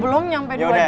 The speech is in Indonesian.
belum nyampe dua jam